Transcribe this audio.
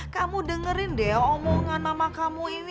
kamu dengerin deh omongan mama kamu ini